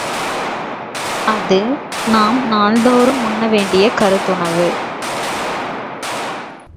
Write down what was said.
அது நாம் நாள்தோறும் உண்ண வேண்டிய கருத்துணவு.